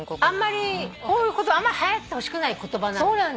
あんまりこういうことあんまりはやってほしくない言葉なの。